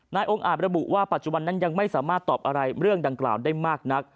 องค์อาจระบุว่าปัจจุบันนั้นยังไม่สามารถตอบอะไรเรื่องดังกล่าวได้มากนัก